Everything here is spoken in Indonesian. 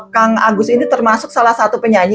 kang agus ini termasuk salah satu penyanyi